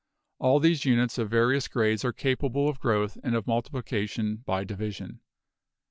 All these units of various grades are ca pable of growth and of multiplication by division."